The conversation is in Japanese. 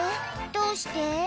どうして？」